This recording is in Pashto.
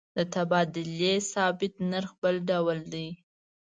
د تبادلې ثابت نرخ بل ډول دی.